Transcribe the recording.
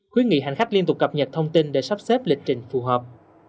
khuyến nghị hành khách liên tục cập nhật thông tin để sắp xếp lịch trình phù hợp